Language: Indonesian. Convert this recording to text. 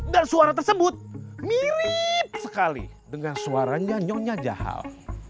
dan suara tersebut mirip sekali dengan suaranya nyonya jahal